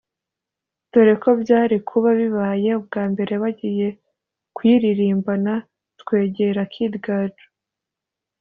dore ko byari kuba bibaye ubwa mbere bagiye kuyiririmbana twegera Kid Gaju